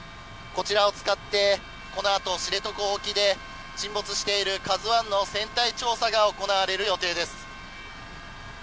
こちらを使ってこのあと知床沖で沈没している「ＫＡＺＵ１」の船体調査が行われる予定です。